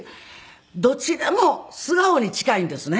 どちらも素顔に近いんですね。